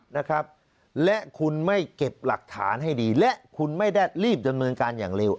นะครับและคุณไม่เก็บหลักฐานให้ดีและคุณไม่ได้รีบดำเนินการอย่างเร็ว